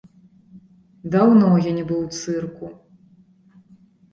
Даўно я не быў у цырку.